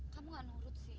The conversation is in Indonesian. kamu nggak menurut sih